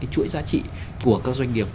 chuỗi giá trị của các doanh nghiệp